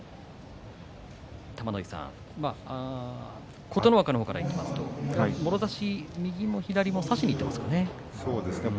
玉ノ井さん、琴ノ若の方からいきますともろ差し、右も左も差しにいっていますかね。